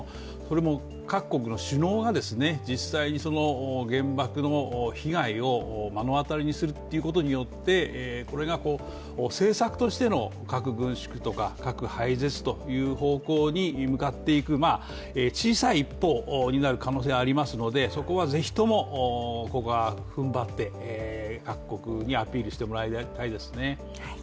各国の首脳が実際に原爆の被害を目の当たりにすることに酔って、これが政策としての核軍縮とか核廃絶という方向に向かっていく小さい一歩になる可能性がありますので、そこはぜひとも、ここは踏ん張って、各国にアピールしてもらいたいですね。